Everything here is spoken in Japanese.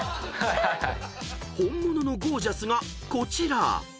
［本物のゴー☆ジャスがこちら］